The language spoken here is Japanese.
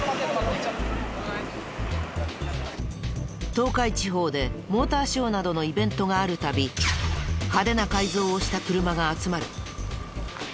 東海地方でモーターショーなどのイベントがある度派手な改造をした車が集まる。